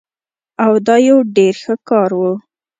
او دا يو ډير ښه کار وو